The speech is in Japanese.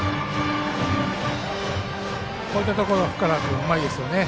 こういったところ福原君はうまいですよね。